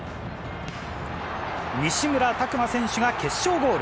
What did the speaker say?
西村拓真選手が決勝ゴール。